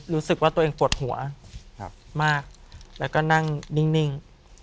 รู้สึกว่าตัวเองปวดหัวมากแล้วก็นั่งนิ่ง